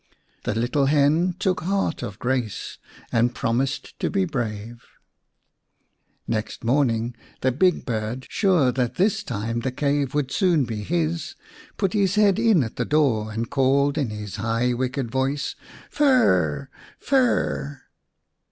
The little hen took heart of grace and promised to be brave. Next morning the big bird, sure that this time the cave would soon be his, put his head in at the door and called in his high wicked voice, " Fir r r r ! Fir r r r